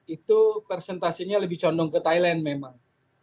itu presentasinya lebih condong ke thailand memang